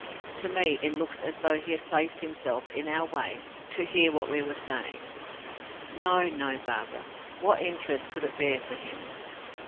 "To me it looks as though he had placed himself in our way to hear what we were saying." "No, no, Barbara. What interest could it bear for him?"